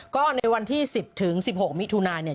ก็ในวันที่๑๐๑๖มิถุนาเนี่ย